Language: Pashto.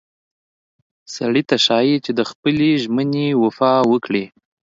سړي ته ښایي چې د خپلې ژمنې وفا وکړي.